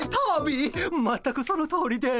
全くそのとおりです。